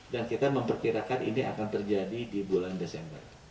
dan kita memperkirakan ini akan terjadi di bulan desember